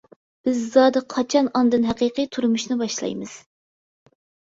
بىز زادى قاچان ئاندىن ھەقىقىي تۇرمۇشنى باشلايمىز.